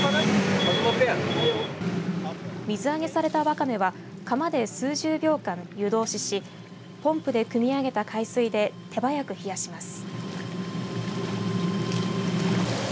水揚げされたワカメは釜で数十秒間湯通ししポンプでくみ上げた海水で手早く冷やします。